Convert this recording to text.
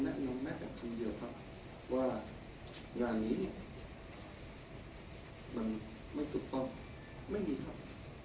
ตกลงแม้แต่ทีมเดียวครับว่างานนี้มันไม่ถูกต้องไม่มีครับ